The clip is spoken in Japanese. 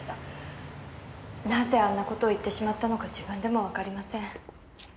なぜあんな事を言ってしまったのか自分でもわかりません。